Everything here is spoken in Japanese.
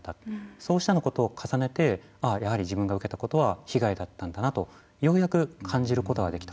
そうすることを重ねてやはり自分が受けたことは被害だったんだなとようやく感じることができた